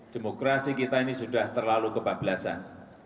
demokrasi kita ini sudah terlalu kebablasan